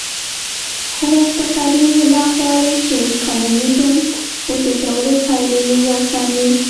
کومې اقتصادي ناخوالې چې کمونېزم وزېږولې پایلې یې یو شان وې.